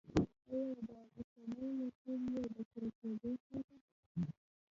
آیا دا اوسنی مسیر یې د پوره کېدو خواته